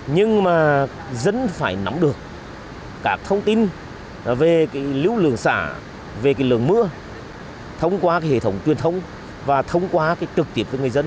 nhưng mà dân phải nắm được các thông tin về lưu lượng xả về lượng mưa thông qua hệ thống truyền thông và thông qua trực tiếp với người dân